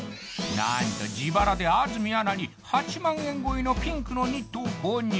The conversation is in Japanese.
何と自腹で安住アナに８万円超えのピンクのニットを購入